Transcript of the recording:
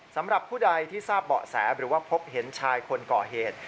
สำหรับผู้ใดที่ทราบเบาะแสหรือว่าพบเห็นชายคนก่อเหตุ